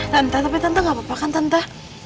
tante tapi tante gak apa apa kan tante